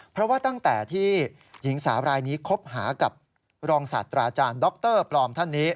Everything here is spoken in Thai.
เพราะว่าตั้งแต่ที่หญิงสาวรายนี้คบหากับรองศาสตราอาจารย์ดรปลอมท่านนี้